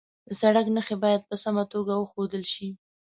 د سړک نښې باید په سمه توګه وښودل شي.